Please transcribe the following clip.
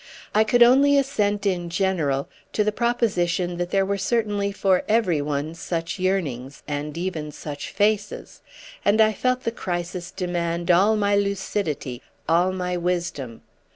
I could only assent in general to the proposition that there were certainly for every one such yearnings, and even such faces; and I felt the crisis demand all my lucidity, all my wisdom.